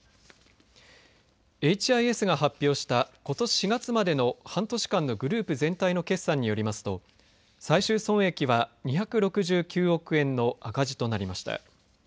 エイチ・アイ・エスが発表したことし４月までの半年間のグループ全体の決算によりますと最終損益は２６９億円の赤字となりました。